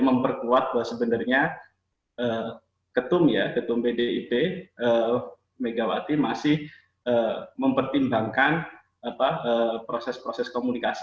memperkuat bahwa sebenarnya ketum ya ketum pdip megawati masih mempertimbangkan proses proses komunikasi